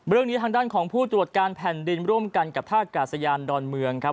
เรื่องนี้ทางด้านของผู้ตรวจการแผ่นดินร่วมกันกับท่ากาศยานดอนเมืองครับ